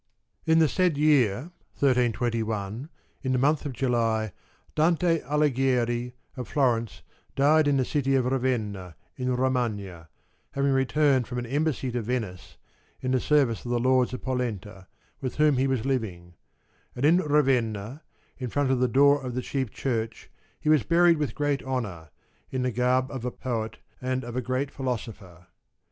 In the said year 1 321, in the month of July, Dante Alighieri, of Florence, died in the city of Ravenna, in Romagna, having returned from an embassy to Venice in the service of the Lords of Polenta, with whom he was living ; and in Ravenna, in front of the door of the chief church, he was buried with great honour, in the garb of a poet and of a great philosopher.